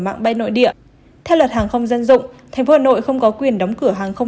mạng bay nội địa theo luật hàng không dân dụng tp hà nội không có quyền đóng cửa hàng không